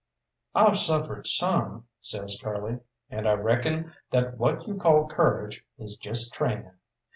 "I've suffered some," says Curly, "and I reckon that what you call courage is just training.